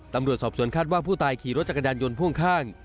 ตำรวจสอบสวนคาดว่าผู้ตายขี่รถจักรยานยนต์พ่วงข้าง